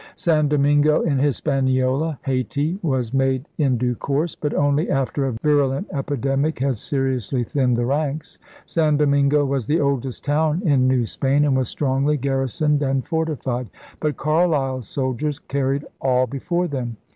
San Domingo in Hispaniola (Hayti) was made in due course, but only after a virulent epidemic had seriously thinned the ranks. San Domingo was the oldest town in New Spain and was strongly garrisoned and fortified. But Carleill's soldiers carried all before them.